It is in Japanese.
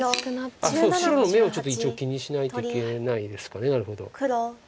そう白の眼をちょっと一応気にしないといけないですかなるほど。